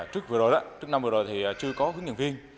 trước năm vừa rồi chưa có hướng nhận viên